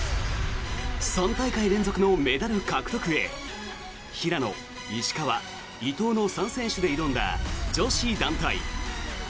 ３大会連続のメダル獲得へ平野、石川、伊藤の３選手で挑んだ女子団体。